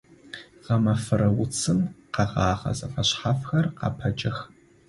Гъэмафэрэ уцым къэгъэгъэ зэфэшъхьафхэр къапэкӏэх.